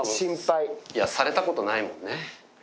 されたことないもんね。